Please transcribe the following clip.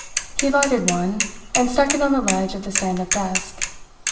He lighted one, and stuck it on the ledge of the stand up desk.